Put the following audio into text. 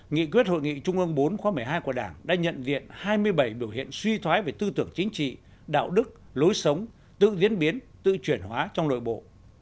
nghị quyết hội nghị trung ương bốn khóa một mươi hai của đảng đã nhận diện hai mươi bảy biểu hiện suy thoái về tư tưởng chính trị đạo đức lối sống tự diễn biến tự chuyển hóa trong nội bộ